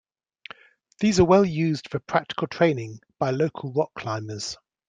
These are well used for practical training by local rock-climbers.